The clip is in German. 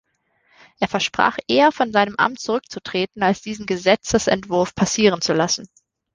Er versprach eher von seinem Amt zurückzutreten, als diesen Gesetzesentwurf passieren zu lassen.